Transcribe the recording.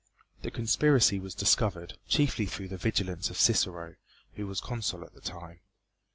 The conspiracy was discovered, chiefly through the vigilance of Cicero, who was Consul at the time.